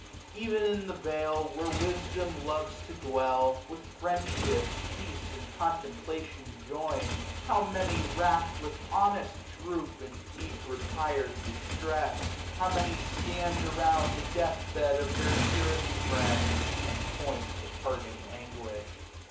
Ev'n in the vale, where wisdom loves to dwell. With friendship, peace, and contemplation join'd. How many, rack'd with honest passions, droop 345 In deep retired distress. How many stand Around the death bed of their dearest friends. And point the parting anguish.